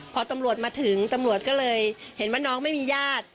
พอตำรวจมาถึงตำรวจก็เลยเห็นว่าน้องไม่มีญาติ